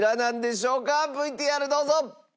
ＶＴＲどうぞ！